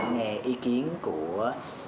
nghe ý kiến của